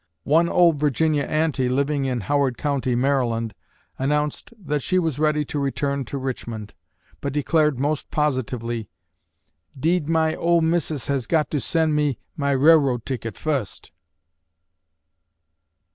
One old Virginia "aunty" living in Howard County, Maryland, announced that she was ready to return to Richmond; but declared most positively: "Deed, my ole Missus has got to send me my railroad ticket fust."